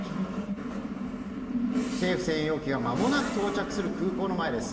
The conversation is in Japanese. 政府専用機が間もなく到着する空港の前です。